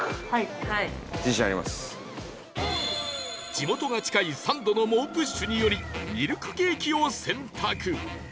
地元が近いサンドの猛プッシュによりミルクケーキを選択